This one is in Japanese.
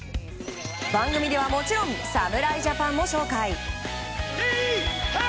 番組では、もちろん侍ジャパンも紹介。